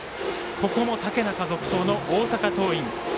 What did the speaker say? ここも竹中続投の大阪桐蔭。